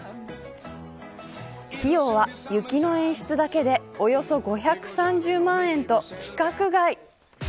費用は雪の演出だけでおよそ５３０万円と規格外。